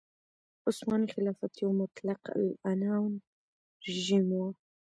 عثماني خلافت یو مطلق العنان رژیم و.